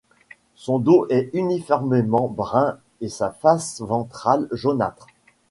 Son dos est uniformément brun et sa face ventrale jaunâtre.